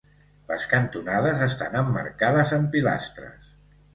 Les cantonades estan emmarcades amb pilastres.